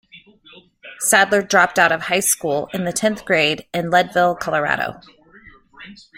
Sadler dropped out of high school in the tenth grade in Leadville, Colorado.